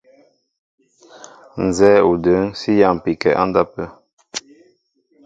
Nzɛ́ɛ́ o də̌ŋ sí yámpi kɛ́ á ndápə̂.